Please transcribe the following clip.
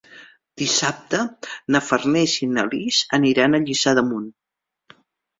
Dissabte na Farners i na Lis aniran a Lliçà d'Amunt.